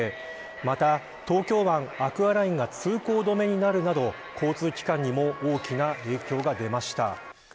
また、東京湾アクアラインが通行止めになるなど交通機関にも大きな影響が出ました。